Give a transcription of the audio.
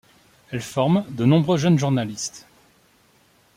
Elle forme de nombreux jeunes journalistes.